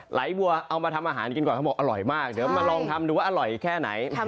ไหลบัวเอามาทำอาหารกินก่อนเขาบอกอร่อยมากเดี๋ยวมาลองทำดูว่าอร่อยแค่ไหน